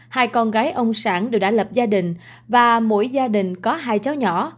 hai con gái ông sản đều đã lập gia đình và mỗi gia đình có hai cháu nhỏ